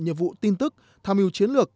nhiệm vụ tin tức tham mưu chiến lược